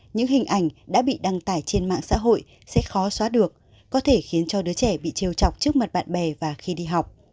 những hình ảnh đã bị đăng tải trên mạng xã hội sẽ khó xóa được có thể khiến cho đứa trẻ bị treo chọc trước mặt bạn bè và khi đi học